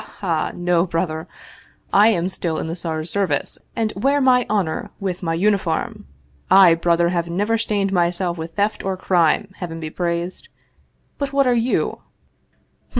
ha! No, brother; I am still in the Czar's service and wear my honor with my uniform ! I, brother, have never stained myself with theft or crime, Heaven be praised. But what are you